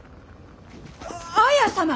綾様！